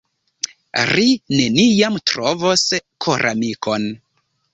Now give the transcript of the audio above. "Ri neniam trovos koramikon."